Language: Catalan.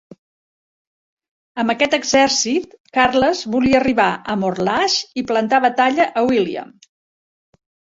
Amb aquest exèrcit, Carles volia arribar a Morlaix i plantar batalla a William.